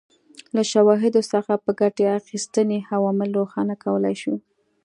له شواهدو څخه په ګټې اخیستنې عوامل روښانه کولای شو.